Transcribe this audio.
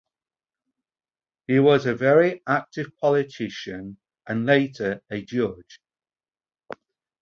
He was a very active politician and later a judge.